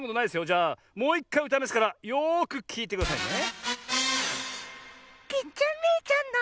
じゃあもういっかいうたいますからよくきいてくださいね。